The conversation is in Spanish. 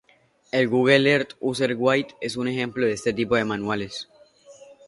El "Google Earth User Guide" es un ejemplo de este tipo de manuales.